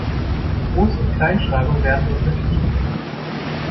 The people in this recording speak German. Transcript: Groß- und Kleinschreibung werden unterschieden.